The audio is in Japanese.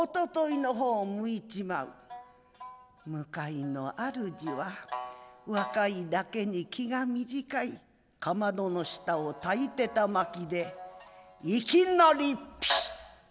向いの主は若いだけに気が短いかまどの下を焚いてた薪でいきなりピシッー。